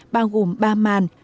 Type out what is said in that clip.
bao gồm ba màn